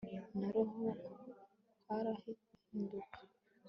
naho harahinduka